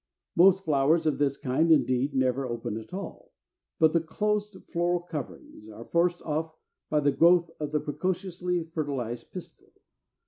Most flowers of this kind, indeed, never open at all; but the closed floral coverings are forced off by the growth of the precociously fertilized pistil.